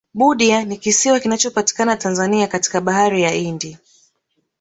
budya ni kisiwa kinachopatikana tanzania katika bahari ya hindi